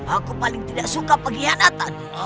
aku paling tidak suka pengkhianatan